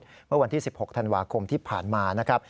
เมื่อวันที่๑๖ธันวาคมที่ผ่านมานะครับ